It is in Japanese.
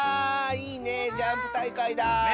いいねジャンプたいかいだ。